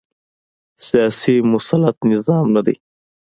سیاسي مسلط نظام نه دی